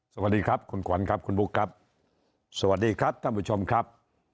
สวัสดีครับคุณขวัญครับคุณบุ๊คครับสวัสดีครับท่านผู้ชมครับ